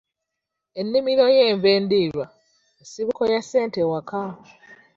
Ennimiro y'enva endiirwa nsibuko ya ssente ewaka.